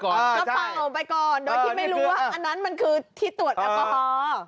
ก็เป่าไปก่อนโดยที่ไม่รู้ว่าอันนั้นมันคือที่ตรวจแอลกอฮอล์